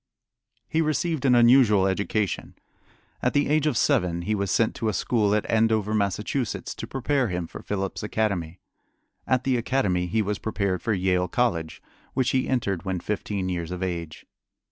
He received an unusual education. At the age of seven he was sent to a school at Andover, Massachusetts, to prepare him for Phillips Academy. At the academy he was prepared for Yale College, which he entered when fifteen years of age.